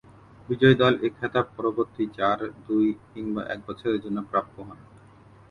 বিজয়ী দল এ খেতাব পরবর্তী চার, দুই কিংবা এক বছরের জন্য প্রাপ্য হন।